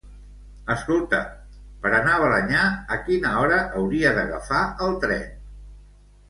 Escolta, per anar a Balenyà, a quina hora hauria d'agafar el tren?